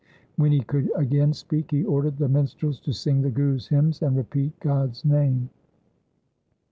When he could again speak he ordered the minstrels to sing the Gurus' hymns and repeat God's name.